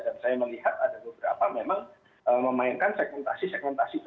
dan saya melihat ada beberapa memang memainkan segmentasi segmentasi